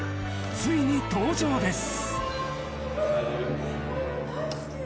ついに登場です。